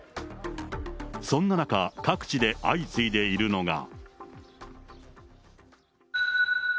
そんな中、各地で相次いでいるのが。